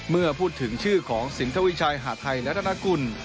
เมื่อพูดถึงชื่อของสินทวิชัยหาดไทยรัฐนากุล